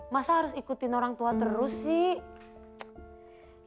masa harus ikutin orang tua terus sih